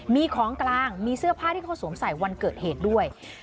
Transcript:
มีของกลางมีเสื้อผ้าที่เขาสวมใส่วันเกิดเหตุด้วย